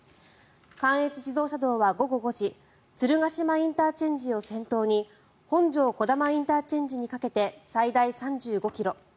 関越自動車道は午後５時鶴ヶ島ＩＣを先頭に本庄児玉ＩＣにかけて最大３５ｋｍ。